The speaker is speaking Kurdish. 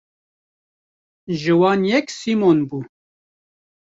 Ji wan yek Sîmon bû.